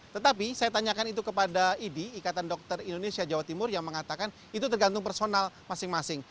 tetapi saya tanyakan itu kepada idi ikatan dokter indonesia jawa timur yang mengatakan itu tergantung personal masing masing